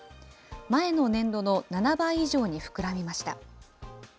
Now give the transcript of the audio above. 前の年度の７倍以上に膨らみました。